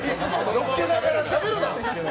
乗っけながらしゃべるな。